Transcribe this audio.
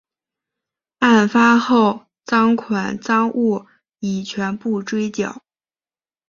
案发后赃款赃物已全部追缴。